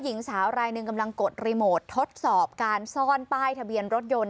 หญิงสาวรายหนึ่งกำลังกดรีโมททดสอบการซ่อนป้ายทะเบียนรถยนต์